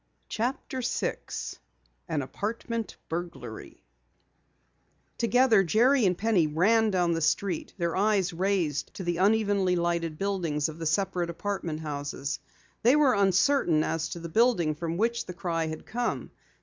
CHAPTER 6 AN APARTMENT BURGLARY Together Penny and Jerry ran down the street, their eyes raised to the unevenly lighted windows of the separate apartment houses. They were uncertain as to the building from which the cry had come.